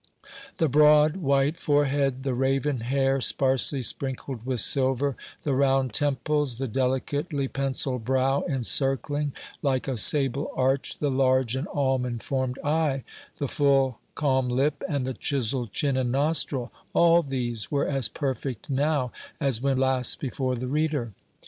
The broad white forehead the raven hair, sparsely sprinkled with silver the round temples the delicately penciled brow, encircling, like a sable arch, the large and almond formed eye the full calm lip, and the chiseled chin and nostril all these were as perfect now as when last before the reader.